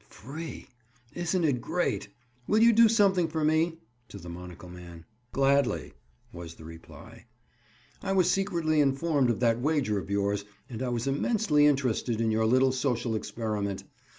"Free! Isn't it great? Will you do something for me?" To the monocle man. "Gladly," was the reply. "I was secretly informed of that wager of yours and I was immensely interested in your little social experiment.